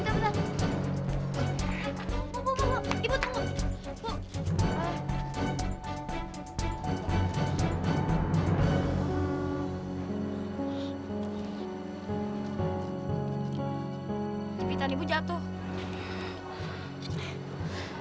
jepitan ibu jatuh